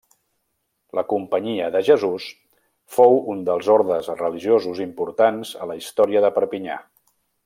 La Companyia de Jesús fou un dels ordes religiosos importants a la història de Perpinyà.